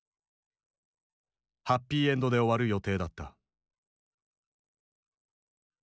ハッピーエンドで終わる予定だった。